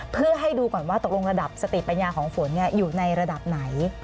เพื่อให้ดูก่อนว่าตกลงระดับสติปัญญาของฝนอยู่ในระดับไหน